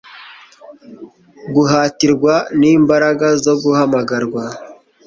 guhatirwa n'imbaraga zo guhamagarwa